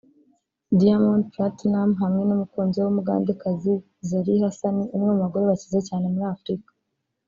Diamond Platnumz hamwe n'umukunzi we w'umugandekazi Zari Hassan umwe mu bagore bakize cyane muri Afrika